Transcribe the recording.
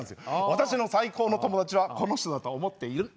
私の最高の友達はこの人だと思っている？